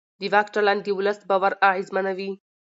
د واک چلند د ولس باور اغېزمنوي